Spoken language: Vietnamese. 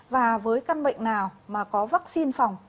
và với căn bệnh nào mà có vaccine phòng